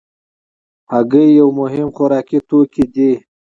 هګۍ یو مهم خوراکي توکی دی.